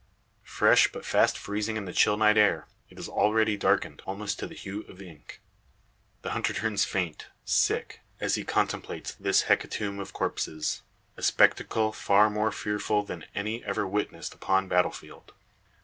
Fresh, but fast freezing in the chill night air, it is already darkened, almost to the hue of ink. The hunter turns faint, sick, as he contemplates this hecatomb of corpses. A spectacle far more fearful than any ever witnessed upon battle field.